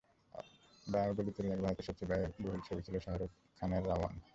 বাহুবলী তৈরির আগে ভারতের সবচেয়ে ব্যয়বহুল ছবি ছিল শাহরুখ খানের রাওয়ান।